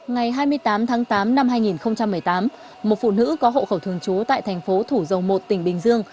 ngày hai mươi tám tháng tám năm hai nghìn một mươi tám một phụ nữ có hộ khẩu thường trú tại thành phố thủ dầu một tỉnh bình dương